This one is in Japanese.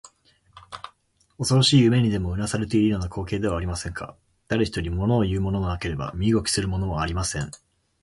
おそろしい夢にでもうなされているような光景ではありませんか。だれひとり、ものをいうものもなければ身動きするものもありません。